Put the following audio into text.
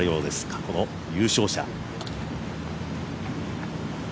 過去の優勝者。